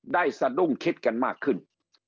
สะดุ้งคิดกันมากขึ้น